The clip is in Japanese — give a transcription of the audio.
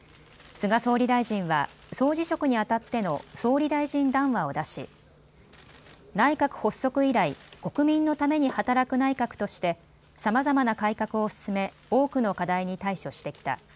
菅総理大臣は総辞職にあたっての総理大臣談話を出し内閣発足以来、国民のために働く内閣としてさまざまな改革を進め、多くの課題に対処してきた。